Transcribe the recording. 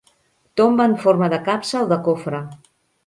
Tomba en forma de capsa o de cofre.